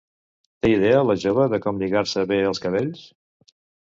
Té idea la jove de com lligar-se bé els cabells?